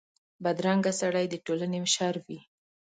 بدرنګه سړي د ټولنې شر وي